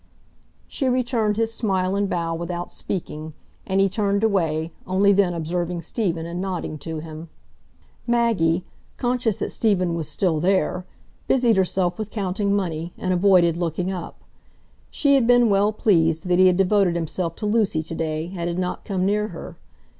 She returned his smile and bow without speaking, and he turned away, only then observing Stephen and nodding to him. Maggie, conscious that Stephen was still there, busied herself with counting money, and avoided looking up. She had been well pleased that he had devoted himself to Lucy to day, and had not come near her.